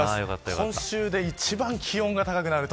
今週で一番気温が高くなると。